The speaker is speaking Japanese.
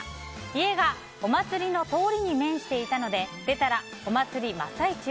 家がお祭りの通りに面していたので出たらお祭り真っ最中。